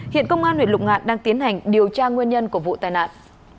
hiện công an huyện lục ngạn đang tiến hành điều tra nguyên nhân của vụ tai nạn